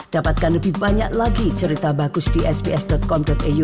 dapatkan lebih banyak lagi cerita bagus di sps com iu